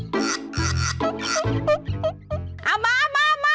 เอามา